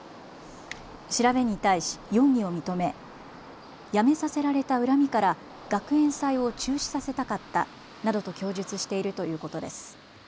調べに対し容疑を認めやめさせられた恨みから学園祭を中止させたかったなどと供述しているということです。